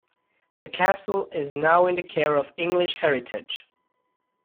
The castle is now in the care of English Heritage.